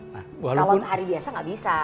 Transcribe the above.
kalau hari biasa nggak bisa